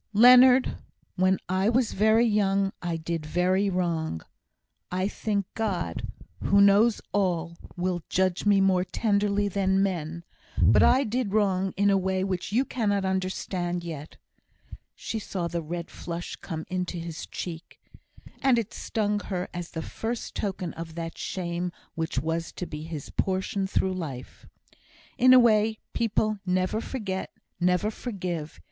"Leonard when I was very young I did very wrong. I think God, who knows all, will judge me more tenderly than men but I did wrong in a way which you cannot understand yet" (she saw the red flush come into his cheek, and it stung her as the first token of that shame which was to be his portion through life) "in a way people never forget, never forgive.